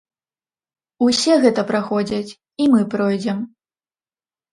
Усе гэта праходзяць, і мы пройдзем.